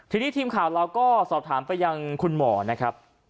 ทีนี้ทีมข่าวเราก็สอบถามไปยังคุณหมอนะครับ